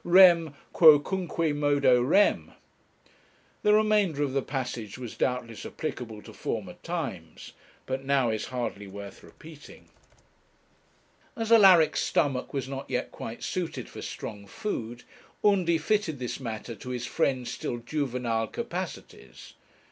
Rem..., quocunque modo rem! The remainder of the passage was doubtless applicable to former times, but now is hardly worth repeating. As Alaric's stomach was not yet quite suited for strong food, Undy fitted this matter to his friend's still juvenile capacities.